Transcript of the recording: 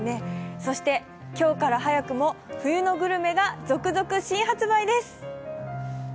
そして今日から早くも冬のグルメが続々新発売です。